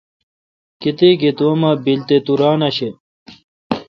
کتیک ایں تو ام بیل تہ تو ران آݭہ۔